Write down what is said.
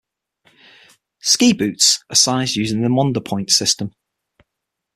Ski boots are sized using the Mondopoint system.